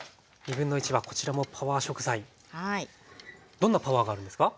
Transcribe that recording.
どんなパワーがあるんですか？